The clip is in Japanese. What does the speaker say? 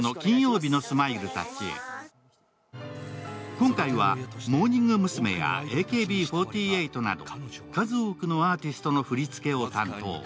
今回は、モーニング娘やＡＫＢ４８など数多くのアーティストの振り付けを担当。